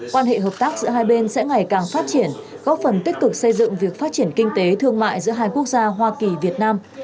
quan hệ hợp tác giữa hai bên sẽ ngày càng phát triển góp phần tích cực xây dựng việc phát triển kinh tế thương mại giữa hai quốc gia hoa kỳ việt nam